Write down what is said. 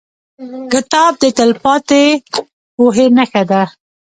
کتاب د تلپاتې پوهې نښه ده.